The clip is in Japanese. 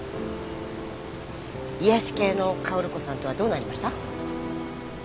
癒やし系の薫子さんとはどうなりました？